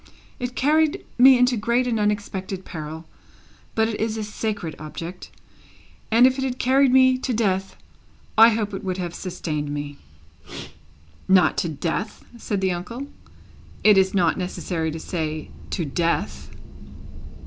It carried me into great and unexpected peril; but it is a sacred object, and if it had carried me to death I hope it would have sustained me." "Not to death," said the uncle; "it is not necessary to say, to death."